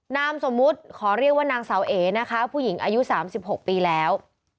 นามสมมุติขอเรียกว่านางสาวเอ๋นะคะผู้หญิงอายุ๓๖ปีแล้ว